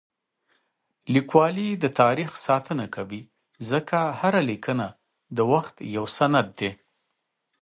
لیکوالی د تاریخ ساتنه کوي ځکه هره لیکنه د وخت یو سند دی.